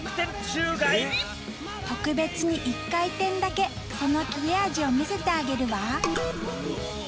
特別に１回転だけその切れ味を見せてあげるわ。